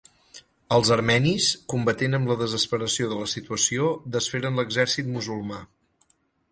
Els armenis, combatent amb la desesperació de la situació, desferen l'exèrcit musulmà.